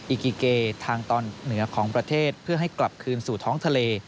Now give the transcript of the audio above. อิกิเกทางตอนเหนือของประเทศเพื่อให้กลับคืนสู่ท้องทะเล